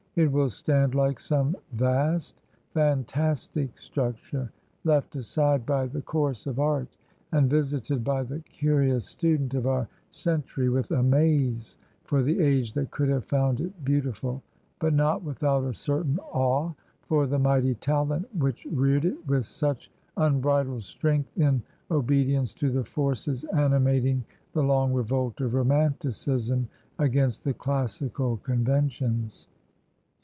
It will stand like some vast, fantastic structure, left aside by the course of art, and visited by the curious student of our century with amaze for the age that could have found it beauti ful, but not without a certain awe for the mighty talent which reared it with such unbridled strength in obe dience to the forces animating the long revolt of ro manticism against the classical conventions.